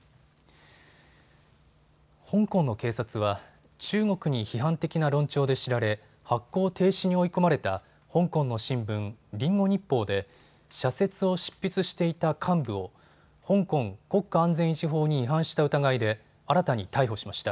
香港の警察は中国に批判的な論調で知られ発行停止に追い込まれた香港の新聞、リンゴ日報で社説を執筆していた幹部を香港国家安全維持法に違反した疑いで新たに逮捕しました。